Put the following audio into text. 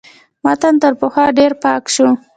متن تر پخوا ډېر پاک شو.